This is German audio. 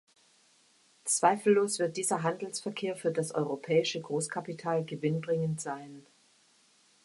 Zweifellos wird dieser Handelsverkehr für das europäische Großkapital Gewinn bringend sein.